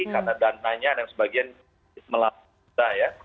karena dana dan sebagian melakukan